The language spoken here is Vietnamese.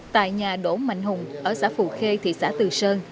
tại nhà đỗ mạnh hùng ở xã phù khê thị xã từ sơn